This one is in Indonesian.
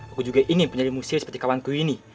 aku juga ingin penyelidikmu sihir seperti kawan ku ini